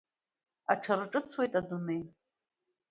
Аҽарҿыцуеит адунеи.